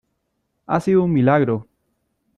¡ ha sido un milagro!...